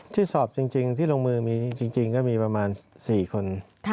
ที่สอบจริงที่ลงมือมีจริงก็มีประมาณ๔คน